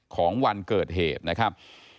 ของวันเกิดเหตุนะครับ